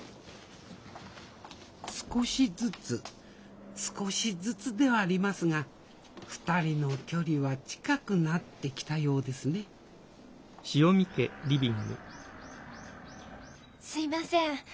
少しずつ少しずつではありますが２人の距離は近くなってきたようですねすいません。